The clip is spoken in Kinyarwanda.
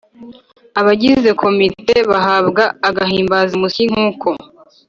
Abagize komite bahabwa agahimbazamusyi nkuko